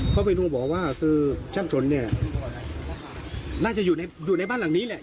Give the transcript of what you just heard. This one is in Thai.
เขาไปดูบอกว่าคือช่างสนเนี่ยน่าจะอยู่ในบ้านหลังนี้แหละ